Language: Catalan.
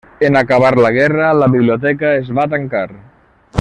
En acabar la guerra, la biblioteca es va tancar.